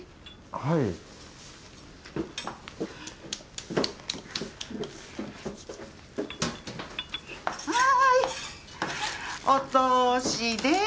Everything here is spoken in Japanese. はいお通しです！